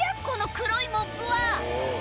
この黒いモップは！